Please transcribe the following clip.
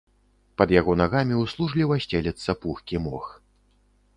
Пад яго нагамі ўслужліва сцелецца пухкі мох.